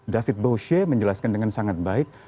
david bauche menjelaskan dengan sangat baik